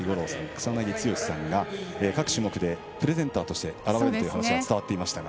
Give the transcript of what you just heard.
草なぎ剛さんが、各競技でプレゼンターとして現れるという話が伝わっていましたが。